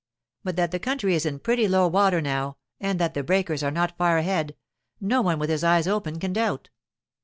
But that the country is in pretty low water now, and that the breakers are not far ahead, no one with his eyes open can doubt.